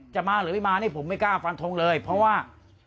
จะมาหรือไม่มานี่ผมไม่กล้าฟันทงเลยเพราะว่า